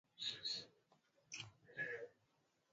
Ya Afrika Kusini jamii ambayo ubaguzi wa rangi ulikuwa umekithiri